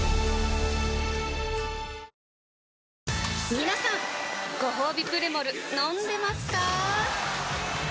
みなさんごほうびプレモル飲んでますかー？